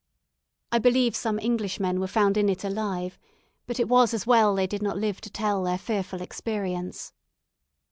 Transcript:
I believe some Englishmen were found in it alive; but it was as well that they did not live to tell their fearful experience.